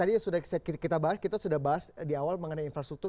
dia sudah sekitar kita bahas kita sudah bahasichen di awal mengenai infrastruktur